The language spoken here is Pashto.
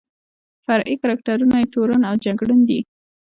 فرعي کرکټرونه یې تورن او جګړن دي.